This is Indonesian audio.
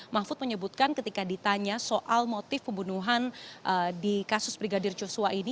mahfud menyebutkan ketika ditanya soal motif pembunuhan di kasus brigadir joshua ini